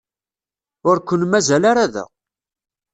Ur ken-mazal ara da.